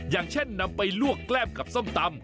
อย่างเช่นนำไปลวกแกล้มกับส้มตำ